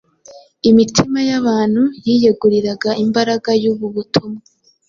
imitima y’abantu yiyeguriraga imbaraga y’ubu butumwa.